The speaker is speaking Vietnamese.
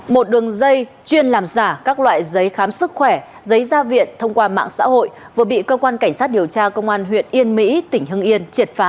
một đường dây chuyên làm giả các loại giấy khám sức khỏe giấy gia viện thông qua mạng xã hội vừa bị cơ quan cảnh sát điều tra công an huyện yên mỹ tỉnh hưng yên triệt phá